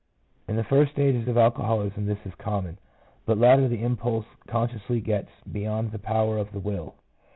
In the first stages of alcoholism this is common, but later the impulse con sciously gets beyond the power of the will.